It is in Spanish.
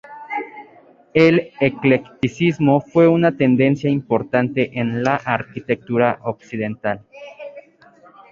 El eclecticismo fue una tendencia importante en la arquitectura occidental.